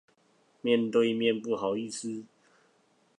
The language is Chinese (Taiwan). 面對面不好意思